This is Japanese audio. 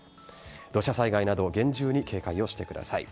土砂災害など厳重に警戒してください。